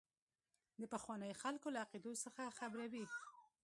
د پخوانیو خلکو له عقیدو څخه خبروي.